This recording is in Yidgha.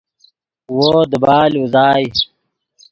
وو دیبال اوزائے